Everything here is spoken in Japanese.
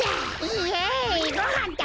イエイごはんだ！